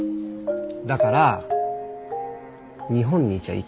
だから日本にいちゃいけないの。